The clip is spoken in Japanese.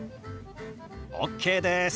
ＯＫです！